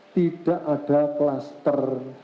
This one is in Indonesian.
tidak ada kluster